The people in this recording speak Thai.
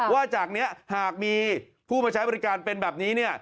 ว่าจากนี้หากมีผู้มาใช้บริการเป็นแบบนี้